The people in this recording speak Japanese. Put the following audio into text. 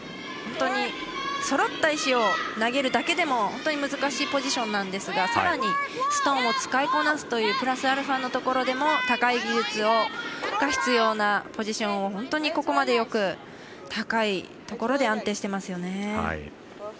本当にそろった石を投げるだけでも本当に難しいポジションなんですがさらに、ストーンを使いこなすというプラスアルファのところでも高い技術が必要なポジションを本当にここまでよく高いところで安定していますよね。